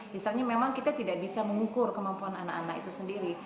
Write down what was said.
misalnya memang kita tidak bisa mengukur kemampuan anak anak itu sendiri